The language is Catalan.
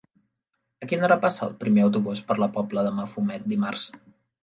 A quina hora passa el primer autobús per la Pobla de Mafumet dimarts?